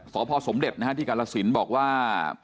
สพสมเด็จที่กาลสินบอกว่า